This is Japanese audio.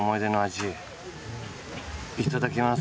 いただきます。